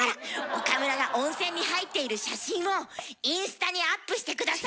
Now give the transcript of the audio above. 岡村が温泉に入ってる写真をインスタにアップして下さい！